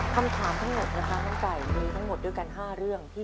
คำถามทั้งหมดนะคะน้องไก่